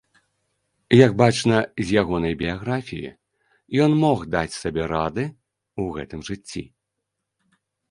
Як бачна з ягонай біяграфіі, ён мог даць сабе рады ў гэтым жыцці.